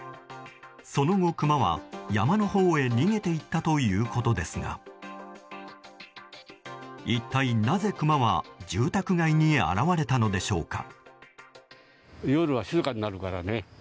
その後、クマは山のほうへ逃げていったということですが一体なぜ、クマは住宅街に現れたのでしょうか。